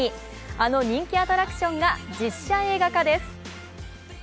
あの人気アトラクションが実写映画化です。